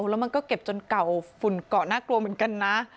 แล้วมันก็เก็บจนเก่าฝุ่นเกาะน่ากลัวเหมือนกันนะ